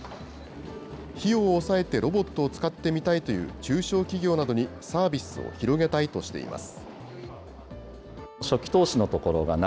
費用を抑えてロボットを使ってみたいという中小企業などにサービスを広げたいとしています。